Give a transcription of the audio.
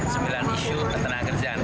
sembilan isu tentang kerjaan